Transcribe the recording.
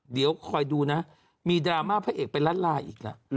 เดี๋ยวคอยดูนะมีดราม่าพระเอกเป็นล้านลาอีกแล้ว